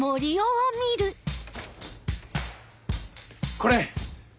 これ！